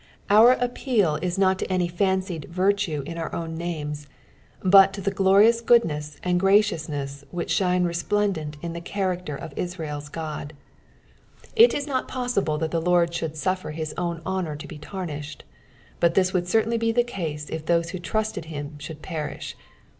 Our appeal is nut to anj fuocied virtue in our own uames, but to th« glorious goodaess and graciouttDess which ahiue resplendvut in the character of nntel's God. It is not poauible thut the Lord should suffer his own honour to be tamiiihed, but this would certainl; b« the case it tliuae who trusted him should perish.